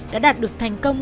đã đạt được thành công